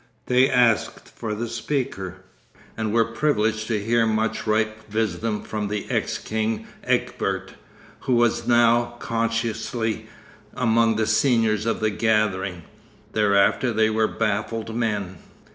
They asked for the speaker, and were privileged to hear much ripe wisdom from the ex king Egbert, who was now consciously among the seniors of the gathering. Thereafter they were baffled men....